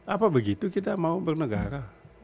apa begitu kita mau bernegara